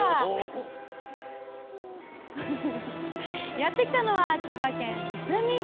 やって来たのは千葉県いすみ市。